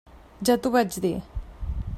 Ja t'ho vaig dir.